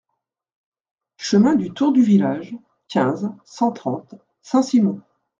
Chemin du Tour du Village, quinze, cent trente Saint-Simon